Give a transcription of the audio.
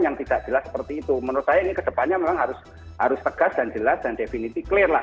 yang tidak jelas seperti itu menurut saya ini ke depannya memang harus tegas dan jelas dan definitif clear lah